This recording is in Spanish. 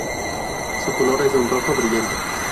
Su color es de un rojo brillante.